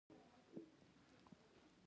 غږ بیا راغی.